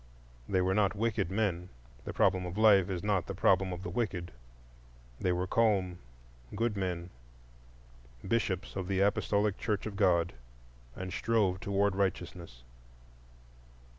They were not wicked men,—the problem of life is not the problem of the wicked,—they were calm, good men, Bishops of the Apostolic Church of God, and strove toward righteousness.